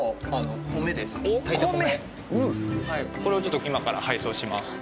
これをちょっと今から配送します。